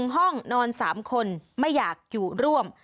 ห้องนอน๓คนไม่อยากอยู่ร่วม